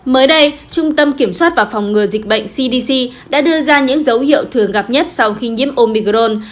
mới đây trung tâm kiểm soát và phòng ngừa dịch bệnh cdc đã đưa ra những dấu hiệu thường gặp nhất sau khi nhiễm omicron